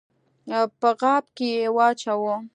په غاب کي یې واچوه !